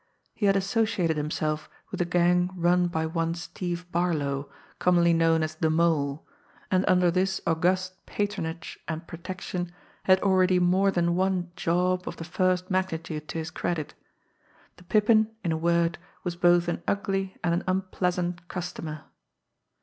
He had associated himself with a gang run by one Steve Barlow, commonly known as the Mole, and under this august patronage and protection had already more than one "job" of the first magnitude to his credit. The Pippin, in a word, was both an ugly and an unpleasant customer.